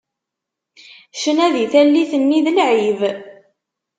Ccna di tallit nni d lεib.